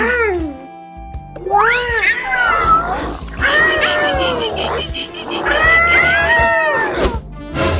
แบบนี้เลยจ๊ะพี่มาเลยจ้ะ